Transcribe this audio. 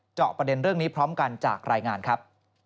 เจาะประเด็นเรื่องนี้พร้อมกันจากรายงานครับ